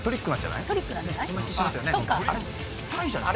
あれタイじゃない？